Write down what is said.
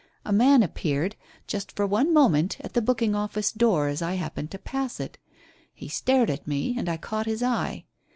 A man appeared, just for one moment, at the booking office door as I happened to pass it. He stared at me, and I caught his eye.